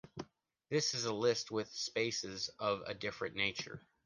This is a list with spaces of a different nature.